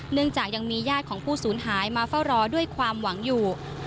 จากยังมีญาติของผู้สูญหายมาเฝ้ารอด้วยความหวังอยู่